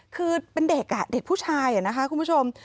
คือเป็นเด็กเด็กผู้ชายนะคะคุณผู้ชม